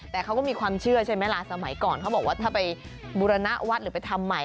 แต่เขาก็มีความเชื่อใช่ไหมล่ะสมัยก่อนเขาบอกว่าถ้าไปบุรณวัดหรือไปทำใหม่